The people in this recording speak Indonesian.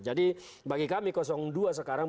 jadi bagi kami kosong dua sekarang